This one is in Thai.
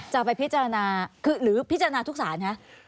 จะไปพิจารณาคือหรือพิจารณาทุกศาลคะ